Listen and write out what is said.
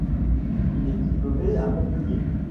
Il est diplômé à Montpellier.